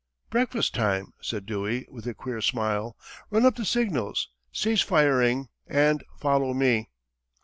"Breakfast time," said Dewey, with a queer smile. "Run up the signals, 'Cease firing,' and 'Follow me.'"